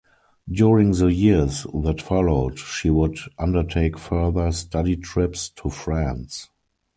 During the years that followed she would undertake further study trips to France.